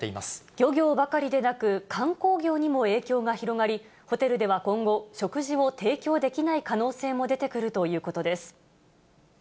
漁業ばかりでなく、観光業にも影響が広がり、ホテルでは今後、食事を提供できない可能性も出てくるということです。